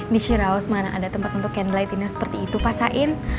di syiraus mana ada tempat untuk candle light dinner seperti itu pak sain